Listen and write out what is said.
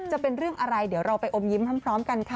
จะเป็นเรื่องอะไรเดี๋ยวเราไปอมยิ้มพร้อมกันค่ะ